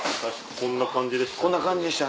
こんな感じでした。